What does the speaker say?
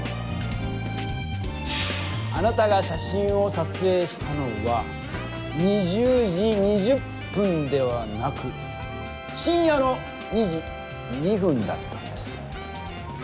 あなたが写真をさつえいしたのは２０時２０分ではなく深夜の２時２分だったんです。